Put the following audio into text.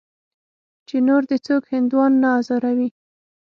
چې نور دې څوک هندوان نه ازاروي.